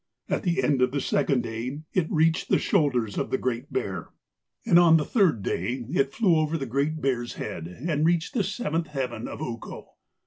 At the end of the second day it reached the shoulders of the Great Bear, and on the third day it flew over the Great Bear's head and reached the seventh heaven of Ukko.